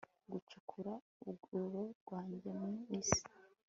Gucukura umwobo wanjye mu isi